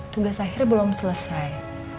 tugas akhir belum selesai